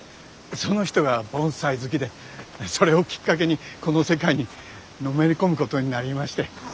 その人が盆栽好きでそれをきっかけにこの世界にのめり込むことになりまして。